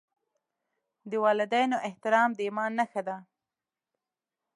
د والدینو احترام د ایمان نښه ده.